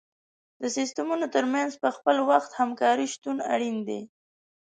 د سیستمونو تر منځ په خپل وخت همکاري شتون اړین دی.